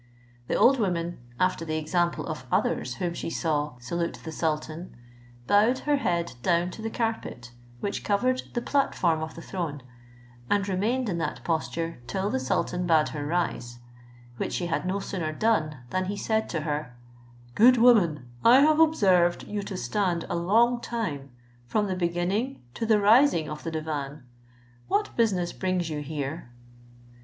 The old woman, after the example of others whom she saw salute the sultan, bowed her head down to the carpet, which covered the platform of the throne, and remained in that posture till the sultan bade her rise, which she had no sooner done, than he said to her, "Good woman, I have observed you to stand a long time, from the beginning to the rising of the divan; what business brings you here?"